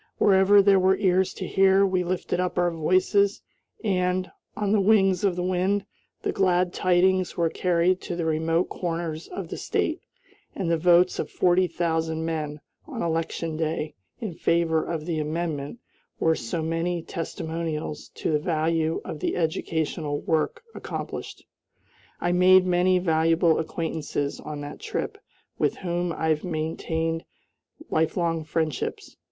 Wherever there were ears to hear, we lifted up our voices, and, on the wings of the wind, the glad tidings were carried to the remote corners of the State, and the votes of forty thousand men, on election day, in favor of the amendment were so many testimonials to the value of the educational work accomplished. I made many valuable acquaintances, on that trip, with whom I have maintained lifelong friendships.